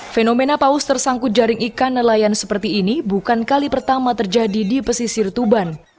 fenomena paus tersangkut jaring ikan nelayan seperti ini bukan kali pertama terjadi di pesisir tuban